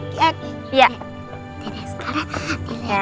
cik deskara jangan